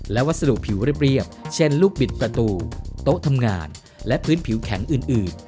และวัสดุผิวเรียบเช่นลูกบิดประตูโต๊ะทำงานและพื้นผิวแข็งอื่น